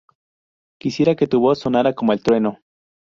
Quisiera que tu voz sonara como el trueno